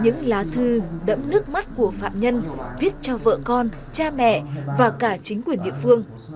những lá thư đều được giấm nước mắt của phạm nhân viết cho vợ con cha mẹ và cả chính quyền địa phương